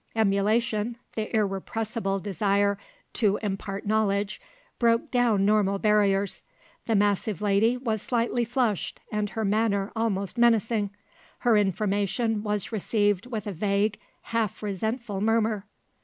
Emulation, the irrepressible desire to impart knowledge, broke down normal barriers. The massive lady was slightly flushed and her manner almost menacing. Her information was received with a vague, half resentful murmur.